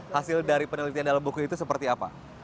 hasil dari penelitian dalam buku itu seperti apa